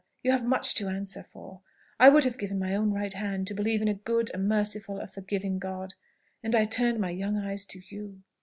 you have much to answer for! I would have given my own right hand to believe in a good, a merciful, a forgiving God! and I turned my young eyes to you.